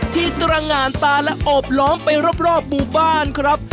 ที่ตรงอ่านตาและโอบล้อมไปรอบบุวบ้านครับ